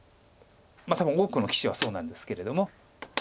多分多くの棋士はそうなんですけれども。